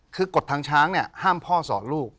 คือกฎทางช้างเนี่ยห้ามพ่อสอนลูก